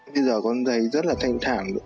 bây giờ con thấy rất là thanh thản